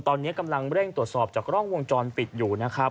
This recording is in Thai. ตอนนี้กำลังเร่งตรวจสอบจากกล้องวงจรปิดอยู่นะครับ